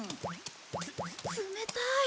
つ冷たい。